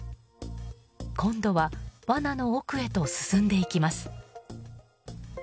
今度はわなの奥へと進んでいきます。